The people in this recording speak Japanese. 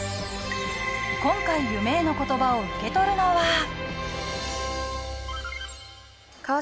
今回夢への言葉を受け取るのは。